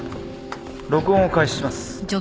録音を開始します。